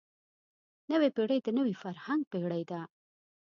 نوې پېړۍ د نوي فرهنګ پېړۍ ده.